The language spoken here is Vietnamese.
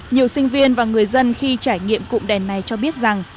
nhiều sinh viên và người dân khi trải nghiệm cụm đèn này cho biết rằng